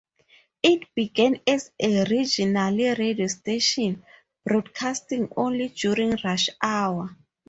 It began as a regional radio station broadcasting only during rush hour.